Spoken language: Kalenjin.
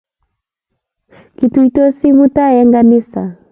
Kituitosi mutai eng' ganisa